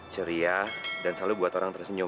ceria dan selalu buat orang tersenyum